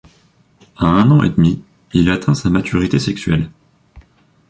À un an et demi, il atteint sa maturité sexuelle.